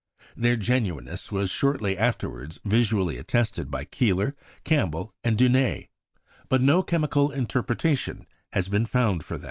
Their genuineness was shortly afterwards visually attested by Keeler, Campbell, and Dunér; but no chemical interpretation has been found for them.